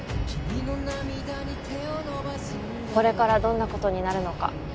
あこれからどんなことになるのか